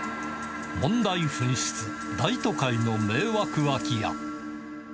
問題噴出、大都会の迷惑空き家。